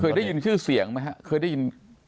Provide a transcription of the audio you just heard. เคยได้ยินชื่อเสียงไหมครับ